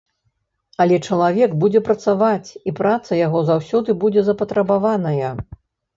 Але чалавек будзе працаваць, і праца яго заўсёды будзе запатрабаваная.